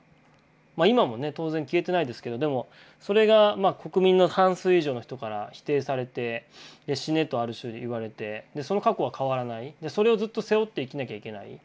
ま今もね当然消えてないですけどでもそれが国民の半数以上の人から否定されて「死ね」とある種言われてその過去は変わらないそれをずっと背負って生きなきゃいけない。